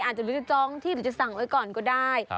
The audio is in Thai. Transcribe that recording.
หรือจะจองที่หรือจะสั่งไว้ก่อนก็ได้